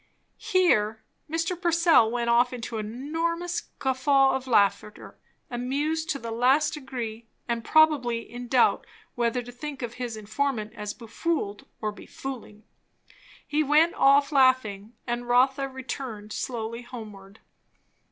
Here Mr. Purcell went off into an enormous guffaw of laughter, amused to the last degree, and probably in doubt whether to think of his informant as befooled or befooling. He went off laughing; and Rotha returned slowly homeward.